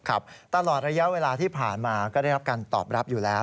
ตลอดระยะเวลาที่ผ่านมาก็ได้รับการตอบรับอยู่แล้ว